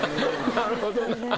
なるほどな。